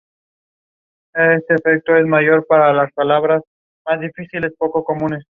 El equipo paralímpico centroafricano no obtuvo ninguna medalla en estos Juegos.